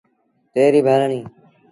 تيّڙيٚ ڀرڻيٚ۔